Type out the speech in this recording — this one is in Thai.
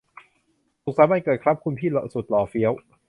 สุขสันต์วันเกิดครับคุณพี่สุดหล่อเฟี้ยว